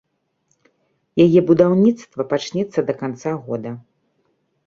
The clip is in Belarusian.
Яе будаўніцтва пачнецца да канца года.